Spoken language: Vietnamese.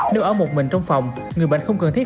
nếu ở một mình trong phòng người bệnh không cần thiết